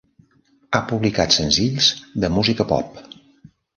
Ha publicat senzills de música pop.